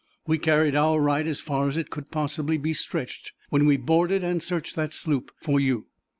We carried our right as far as it could possibly be stretched when we boarded and searched that sloop for you."